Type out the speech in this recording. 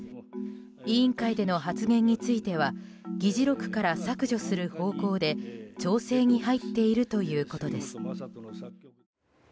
委員会での発言については議事録から削除する方向で調整に入っているということです。